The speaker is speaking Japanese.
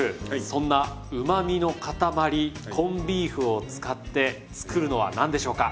そんなうまみのかたまりコンビーフを使って作るのは何でしょうか？